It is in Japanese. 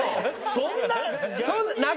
そんなに。